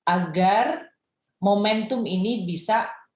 agar momentum ini bisa